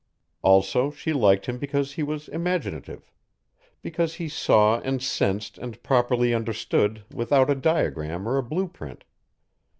Also she liked him because he was imaginative because he saw and sensed and properly understood without a diagram or a blueprint.